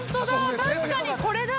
確かにこれだ。